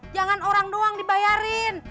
jangan orang doang dibayarin